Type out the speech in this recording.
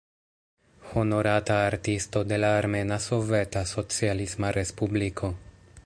Honorata Artisto de la Armena Soveta Socialisma Respubliko.